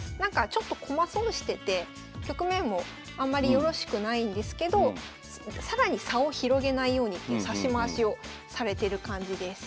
ちょっと駒損してて局面もあんまりよろしくないんですけど更に差を広げないようにっていう指し回しをされてる感じです。